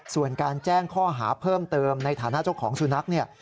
ส่วนการแจ้งข้อหาเพิ่มเติมในฐานะเจ้าของสุนัขเนี่ย